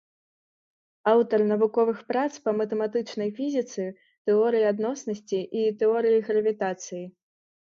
Аўтар навуковых прац па матэматычнай фізіцы, тэорыі адноснасці і тэорыі гравітацыі.